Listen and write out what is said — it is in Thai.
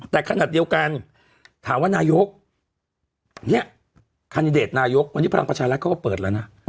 แต่ขนาดเดียวกันถามว่านายกเนี่ยคันดิเดตนายกวันนี้พลังประชารัฐเขาก็เปิดแล้วนะ